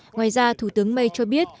ngoài ra thủ tướng may cho biết